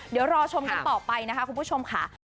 เดี๋ยวรอชมกันต่อไปนะคะคุณผู้ชมค่ะ